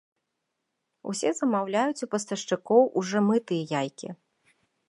Усе замаўляюць у пастаўшчыкоў ужо мытыя яйкі.